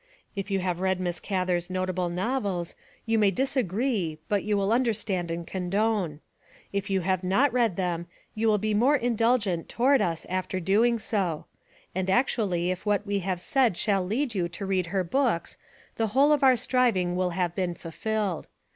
If you have read Miss Gather's notable novels you may disagree but you will understand and condone ; if you have not read them you will be more indulgent toward us after doing so; and actually if what we have said shall lead you to read her books the whole of our striving will have been fulfilled.